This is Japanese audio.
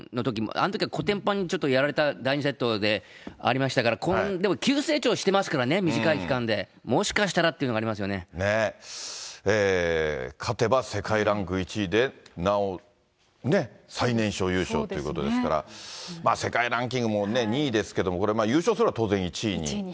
あのときはこてんぱんにちょっとやられた、第２セットで、ありましたから、でも急成長してますからね、短い期間で、もしかしたらっていうの勝てば世界ランク１位で、なおね、最年少優勝ということですから、世界ランキングも２位ですけれども、これ、優勝すれば当然１位に。